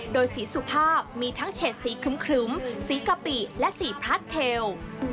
โดยสีสุภาพมีทั้งเฉดสีครึ้มสีกะปิและสีพลัดเทล